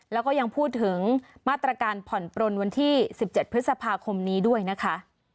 แล้วก็ยังพูดถึงมาตรการผ่อนปลนวันที่๑๗พฤษภาคมนี้ด้วยนะคะ